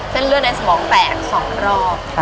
เส้นเลือดในสมองแตก๒รอบ